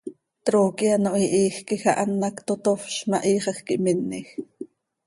Trooqui ano hihiij quij ah an hac totofz ma, hiixaj quih minej.